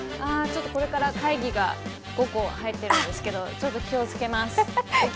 ちょっとこれから会議が５個入ってるんですけど、気をつけます。